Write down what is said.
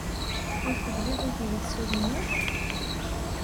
Ur tebɣiḍ ad iyi-tessudneḍ?